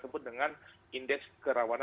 sebut dengan indeks kerawanan